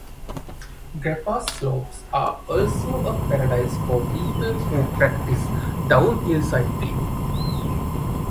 Grappa's slopes are also a paradise for people who practice downhill cycling.